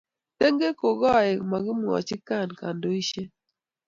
tengek ko kaek mo kimwach Khan kandoishet